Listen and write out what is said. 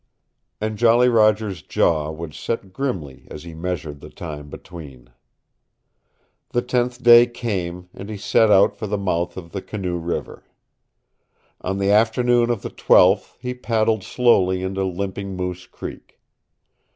And Jolly Roger's jaw would set grimly as he measured the time between. The tenth day came and he set out for the mouth of the Canoe River. On the afternoon of the twelfth he paddled slowly into Limping Moose Creek.